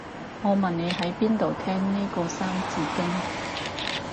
我問你喺邊度聽呢個三字經